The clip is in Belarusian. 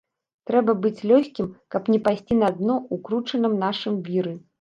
Трэба быць лёгкім, каб не пайсці на дно ў кручаным нашым віры.